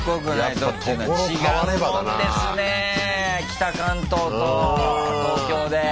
北関東と東京で。